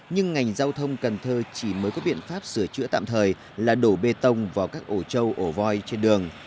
nhưng ngành giao thông cần thơ chỉ mới có biện pháp sửa chữa tạm thời là đổ bê tông vào các ổ trâu ổ voi trên đường